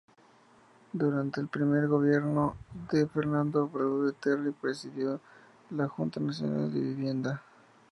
Durante el primer gobierno de Fernando Belaunde Terry, presidió la Junta Nacional de Vivienda.